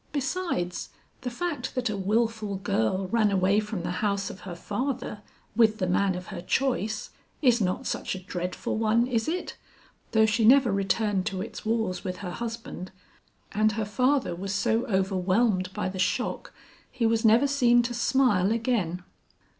Besides, the fact that a wilful girl ran away from the house of her father, with the man of her choice, is not such a dreadful one is it, though she never returned to its walls with her husband, and her father was so overwhelmed by the shock, he was never seen to smile again."